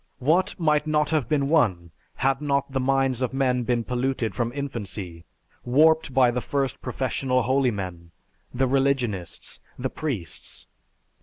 What might not have been won had not the minds of men been polluted from infancy, warped by the first professional holy men, the religionists, the priests?